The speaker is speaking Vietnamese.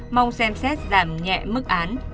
mong xem xét giảm nhẹ mức án